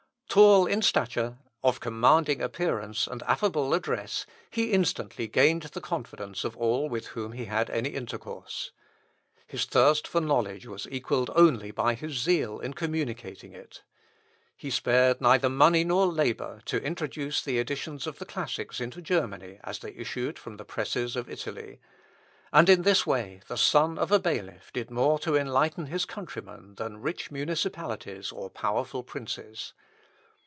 Tall in stature, of commanding appearance, and affable address, he instantly gained the confidence of all with whom he had any intercourse. His thirst for knowledge was equalled only by his zeal in communicating it. He spared neither money nor labour to introduce the editions of the classics into Germany as they issued from the presses of Italy; and in this way the son of a bailiff did more to enlighten his countrymen than rich municipalities or powerful princes.